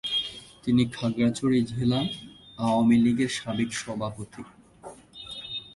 তিনি খাগড়াছড়ি জেলা আওয়ামী লীগের সাবেক সভাপতি।